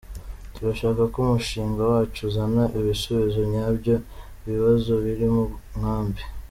Turashaka ko umushinga wacu uzana ibisubizo nyabyo by’ibibazo biri mu nkambi.